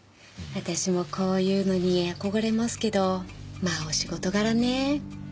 私もこういうのに憧れますけどまあお仕事柄ね。